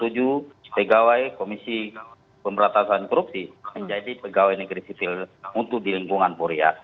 untuk lima puluh tujuh pegawai komisi pemberantasan korupsi menjadi pegawai negeri sivil untuk di lingkungan polri ya